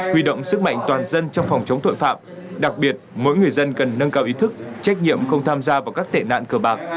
huy động sức mạnh toàn dân trong phòng chống tội phạm đặc biệt mỗi người dân cần nâng cao ý thức trách nhiệm không tham gia vào các tệ nạn cờ bạc